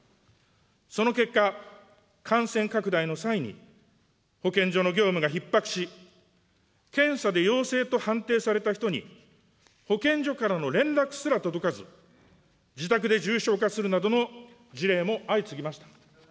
その結果、感染拡大の際に保健所の業務がひっ迫し、検査で陽性と判定された人に、保健所からの連絡すら届かず、自宅で重症化するなどの事例も相次ぎました。